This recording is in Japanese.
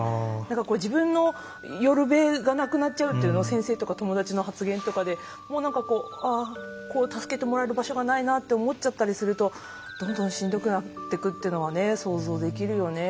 先生とか友達の発言とかでもう何かこうああこう助けてもらえる場所がないなって思っちゃったりするとどんどんしんどくなってくっていうのはね想像できるよね。